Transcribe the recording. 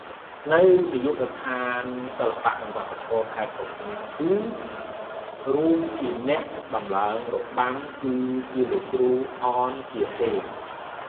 នៅនាយកដ្ឋានសិល្បៈនិងវប្បធម៌ ខេត្តកំពង់ស្ពឺ រួមជាមួយអ្នកតម្លើងរបាំគឺលោកគ្រូ អន ជាហេង